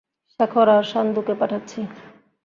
শেখর আর সান্ধুকে পাঠাচ্ছি।